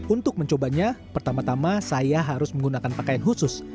untuk mencobanya pertama tama saya harus menggunakan pakaian khusus